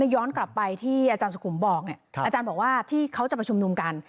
ย้อนกลับไปที่อาจารย์สุขุมบอกเนี่ยอาจารย์บอกว่าที่เขาจะไปชุมนุมกัน